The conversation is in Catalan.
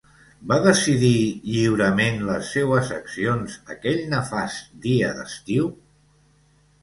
Va decidir lliurement les seues accions aquell nefast dia d’estiu?